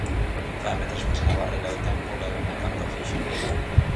Faime traspasar a barreira do tempo e lévame a cando a fixen.